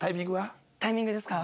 タイミングですか？